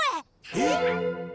えっ！？